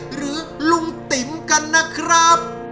หรือลุงติ๋มกันนะครับ